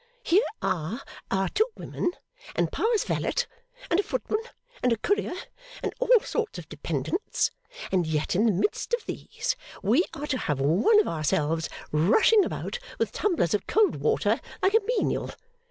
Here are our two women, and Pa's valet, and a footman, and a courier, and all sorts of dependents, and yet in the midst of these, we are to have one of ourselves rushing about with tumblers of cold water, like a menial!